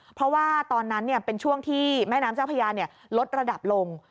เพราะว่าตอนนั้นเป็นช่วงที่แม่น้ำเจ้าพญาลดระดับลง